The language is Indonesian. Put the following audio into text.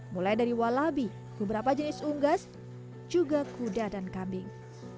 mulai dari walabi beberapa jenis unggas juga kuda dan kambing